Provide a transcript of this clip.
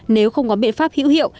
nếu không có biện pháp hữu hiệu